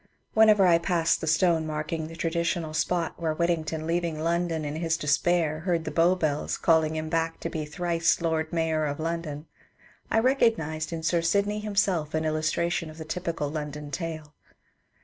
Whenever I passed the stone marking the traditional spot where Whit tington leaving London in his despair heard the Bow bells calling him back to be ^^ Thrice Lord Mayor of London/' I recognized in Sir Sydney himself an illustration of the typical London tale.